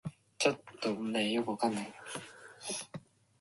They were week-long workshops with notable photographers.